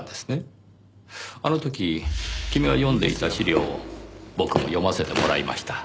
あの時君が読んでいた資料を僕も読ませてもらいました。